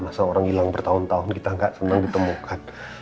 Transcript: masa orang hilang bertahun tahun kita gak harus nyassa